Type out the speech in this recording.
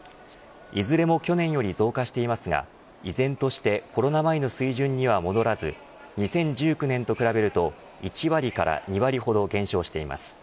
いずれも去年より増加していますが、依然としてコロナ前の水準には戻らず２０１９年と比べると１割から２割ほど減少しています。